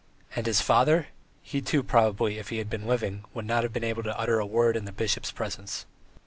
And his father? He, too, probably, if he had been living, would not have been able to utter a word in the bishop's presence.